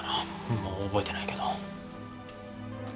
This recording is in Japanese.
もう覚えてないけど。